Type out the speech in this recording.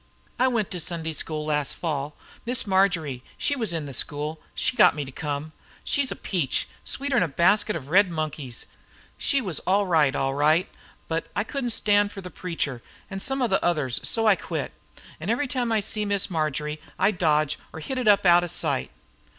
"I went to Sunday school last Fall. Miss Marjory, she was in the school, got me to come. She's a peach. Sweeter 'n a basket of red monkeys. She was all right, all right, but I couldn't stand fer the preacher, an' some others, so I quit. An' every time I see Miss Marjory I dodge or hit it up out of sight."